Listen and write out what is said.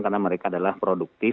karena mereka adalah produktif